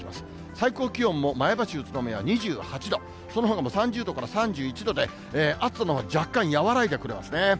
最高気温も前橋、宇都宮２８度、そのほか３０度から３１度で、暑さのほうは若干和らいでくるんですね。